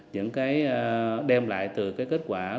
những cái đem lại từ cái kế hoạch